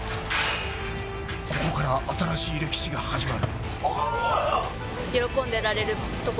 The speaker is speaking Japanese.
ここから新しい歴史が始まる。